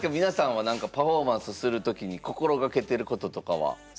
皆さんは何かパフォーマンスする時に心掛けてることとかは？